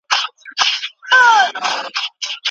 که ناوخته شو، بازار تړل کېږي.